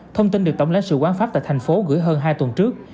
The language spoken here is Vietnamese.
thông tin được tổng lãnh sự quán pháp tại thành phố gửi hơn hai tuần trước